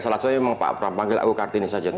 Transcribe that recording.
salah satunya memang pak pram panggil aku kartini saja